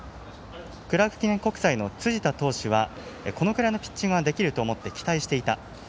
クラーク記念国際の辻田投手はこのくらいのピッチングはできると思って期待していた。